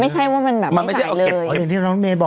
ไม่ใช่ว่ามันแบบไม่ใส่เลยอย่างที่น้องเมย์บอก